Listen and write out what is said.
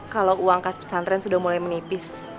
kalau uang kas pesantren sudah mulai menipis